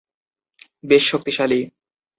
বেশ শক্তিশালী।